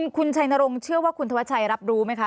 คุณชัยนรงค์เชื่อว่าคุณธวัชชัยรับรู้ไหมคะ